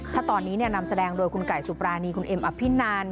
ถ้าตอนนี้นำแสดงโดยคุณไก่สุปรานีคุณเอ็มอภินัน